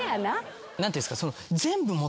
何ていうんすか。